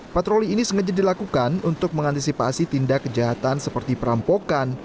patroli ini sengaja dilakukan untuk mengantisipasi tindak kejahatan seperti perampokan